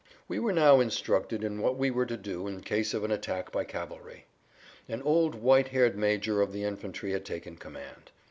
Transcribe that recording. We were now instructed in what we were to do in case of an attack by cavalry. An old white haired major of the infantry had taken command.